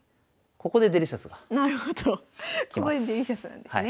ここでデリシャスなんですね。